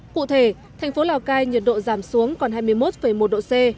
cụ thể thành phố lào cai nhiệt độ giảm xuống còn hai mươi một một độ c